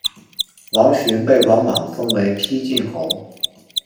王寻被王莽封为丕进侯。